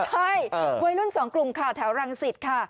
ใช่วัยรุ่นสองกลุ่มค่ะแถวรังสิตค่ะ